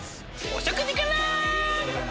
お食事から‼